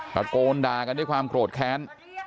ตะโกนด่ากันด้วยความโกรธแค้น